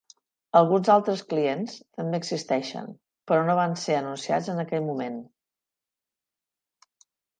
Alguns altres clients també existeixen, però no van ser anunciats en aquell moment.